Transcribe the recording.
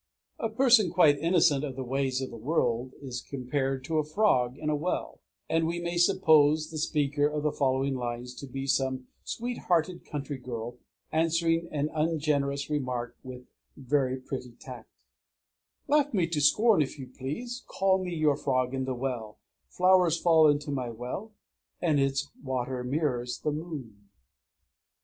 A person quite innocent of the ways of the world is compared to a frog in a well; and we may suppose the speaker of the following lines to be some sweet hearted country girl, answering an ungenerous remark with very pretty tact: _Laugh me to scorn if you please; call me your "frog in the well": Flowers fall into my well; and its water mirrors the moon!